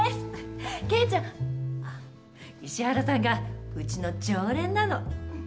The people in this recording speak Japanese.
啓ちゃんあっ石原さんがうちの常連なのふふっ。